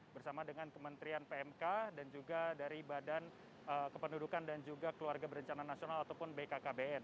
bersama dengan kementerian pmk dan juga dari badan kependudukan dan juga keluarga berencana nasional ataupun bkkbn